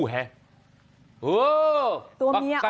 โอ้โอตัวเมียออกไปหา